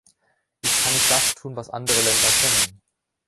Ich kann nicht das tun, was andere Länder können.